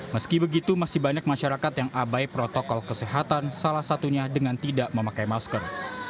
meski begitu masih banyak masyarakat yang abai protokol kesehatan salah satunya dengan tidak memakai masker